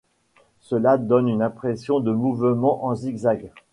Cela donne une impression de mouvement en zigzag.